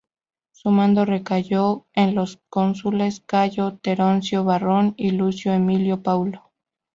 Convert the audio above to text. Su mando recayó en los cónsules Cayo Terencio Varrón y Lucio Emilio Paulo.